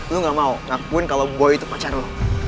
lu gak mau ngakuin kalo boy itu pacar lu